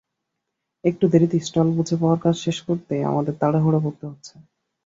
একটু দেরিতে স্টল বুঝে পাওয়ায় কাজ শেষ করতে আমাদের তাড়াহুড়ো করতে হচ্ছে।